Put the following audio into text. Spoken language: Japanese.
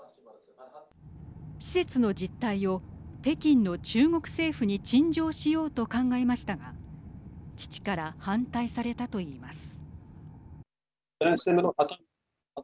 施設の実態を北京の中国政府に陳情しようと考えましたが父から反対されたといいます。